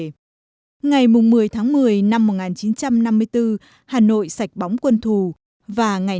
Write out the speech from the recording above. đến sáng ngày một mươi tháng một mươi năm một nghìn chín trăm năm mươi bốn hà nội tương bừng chào đón đoàn quân chiến thắng trở về